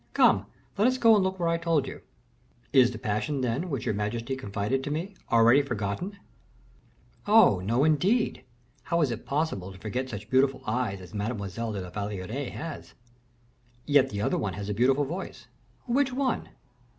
"Come; let us go and look where I told you." "Is the passion, then, which your majesty confided to me, already forgotten?" "Oh! no, indeed. How is it possible to forget such beautiful eyes as Mademoiselle de la Valliere has?" "Yet the other one has a beautiful voice." "Which one?"